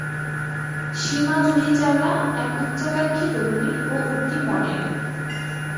সীমা জুহি চাওলা, এক উচ্চাকাঙ্ক্ষী তরুণী ও উঠতি মডেল।